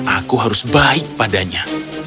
aku harus baik padanya